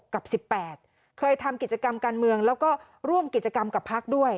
กับ๑๘เคยทำกิจกรรมการเมืองแล้วก็ร่วมกิจกรรมกับพักด้วย